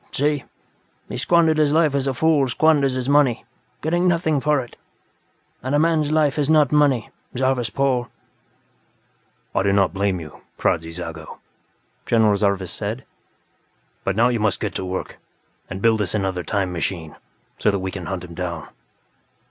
See, he squandered his life as a fool squanders his money, getting nothing for it. And a man's life is not money, Zarvas Pol." "I do not blame you, Kradzy Zago," General Zarvas said. "But now you must get to work, and build us another 'time machine', so that we can hunt him down."